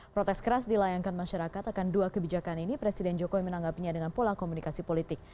protes keras dilayangkan masyarakat akan dua kebijakan ini presiden jokowi menanggapinya dengan pola komunikasi politik